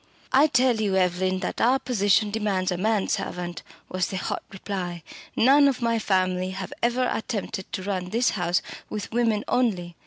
"I tell you, Evelyn, that our position demands a man servant!" was the hot reply. "None of my family have ever attempted to run this house with women only.